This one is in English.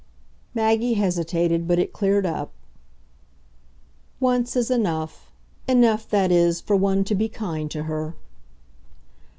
Maggie hesitated, but it cleared up. "Once is enough. Enough, that is, for one to be kind to her."